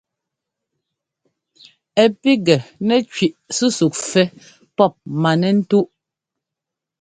Ɛ píkŋɛ nɛ́ kẅí súsúk fɛ́ pɔp manɛ́ntúʼ.